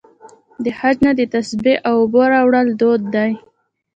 د حج نه د تسبیح او اوبو راوړل دود دی.